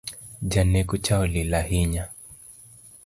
Janeko cha olil ahinya